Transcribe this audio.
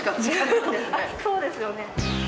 そうですよね。